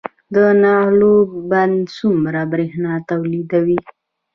د نغلو بند څومره بریښنا تولیدوي؟